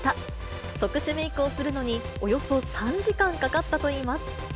特殊メークをするのに、およそ３時間かかったといいます。